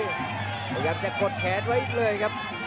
พยายามจะกดแขนไว้อีกเลยครับ